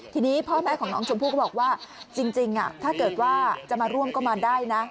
ทีนี้พ่อแม่ของน้องชมพู่ก็บอกว่าจริงถ้าเกิดว่าจะมาร่วมก็มาได้นะ